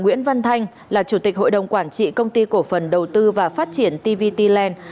nguyễn văn thanh là chủ tịch hội đồng quản trị công ty cổ phần đầu tư và phát triển tvtland